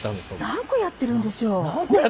何個やってるんでしょう？